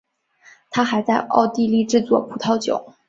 他还在奥地利制作葡萄酒。